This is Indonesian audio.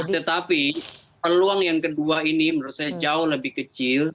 tetapi peluang yang kedua ini menurut saya jauh lebih kecil